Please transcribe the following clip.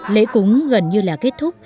lễ cúng gần như là kết thúc